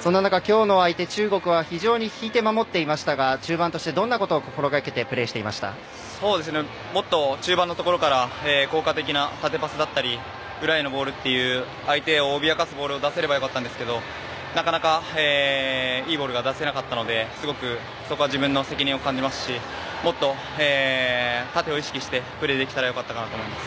そんな中、今日の相手中国は非常に引いて守っていましたが中盤としてどんなことを心掛けてもっと中盤の所から効果的な縦パスだったり裏へのボールという相手を脅かすボールを出せればよかったんですけどなかなかいいボールが出せなかったのですごくそこは自分の責任を感じますし、もっと縦を意識してプレーできたらよかったなと思います。